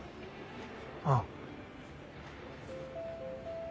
ああ。